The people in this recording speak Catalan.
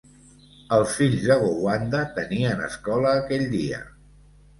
Els fills de Gowanda tenien escola aquell dia.